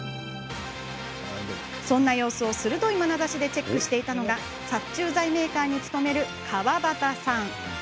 そんな様子を鋭いまなざしでチェックしていたのが殺虫剤メーカーに勤める川端さん。